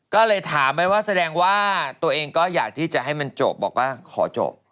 ก็เลยถามไปว่าแสดงว่าตัวเองก็อยากที่จะให้มันจบบอกว่าขอจบ